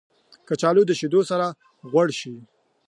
کچالو د شیدو سره غوړ شي